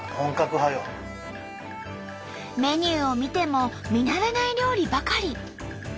メニューを見ても見慣れない料理ばかり。